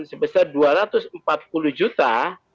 sebesar dua ratus empat puluh juta